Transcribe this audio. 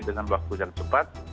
dengan waktu yang cepat